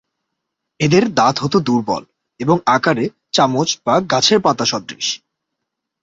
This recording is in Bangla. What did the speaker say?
এদের দাঁত হত দুর্বল, এবং আকারে চামচ বা গাছের পাতা সদৃশ।